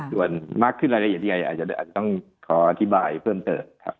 จนมากขึ้นแล้วละอีกอย่างที่ก้ายอาจจะต้องขออธิบายเพิ่มเบิก